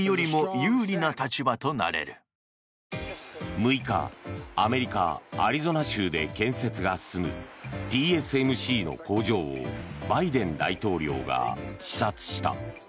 ６日、アメリカ・アリゾナ州で建設が進むＴＳＭＣの工場をバイデン大統領が視察した。